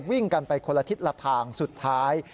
วิ่งกันไปคนละทิศละทางสุดท้าย